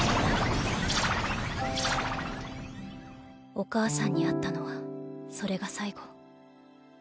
お母さんに会ったのはそれが最後。